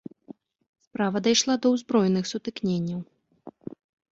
Справа дайшла да ўзброеных сутыкненняў.